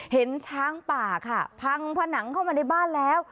เห็นช้างป่าค่ะพังผนังเข้ามาในบ้านแล้ว